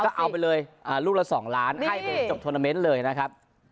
ก็เอาไปเลยลูกละ๒ล้านให้ผมจบทวนาเมนต์เลยนะครับ